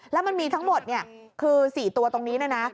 แล้วมันมีทั้งหมดคือ๔ตัวตรงนี้นะนะ